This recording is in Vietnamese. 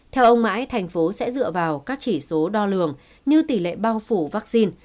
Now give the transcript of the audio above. theo ông mãi tp hcm sẽ dựa vào các chỉ số đo lường như tỷ lệ bao phủ vaccine